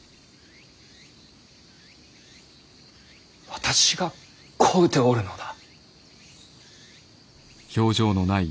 私が請うておるのだ。